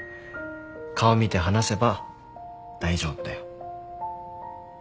顔見て話せば大丈夫だよ。